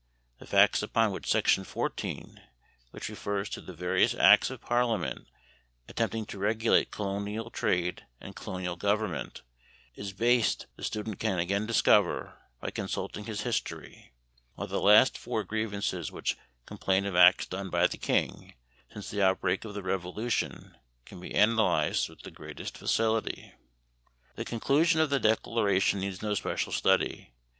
The facts upon which Section 14, which refers to the various acts of Parliament attempting to regulate colonial trade and colonial government, is based, the student can again discover by consulting his history; while the last four grievances which complain of acts done by the king since the outbreak of the Revolution can be analysed with the greatest facility. The conclusion of the Declaration needs no special study.